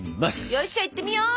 よっしゃ行ってみよう！